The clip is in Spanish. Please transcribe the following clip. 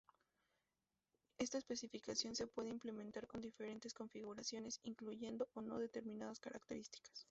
Esta especificación se puede implementar con diferentes configuraciones, incluyendo o no determinadas características.